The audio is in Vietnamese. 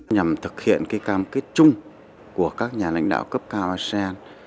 nhằm thực hiện cam kết chung của các nhà lãnh đạo cấp cao asean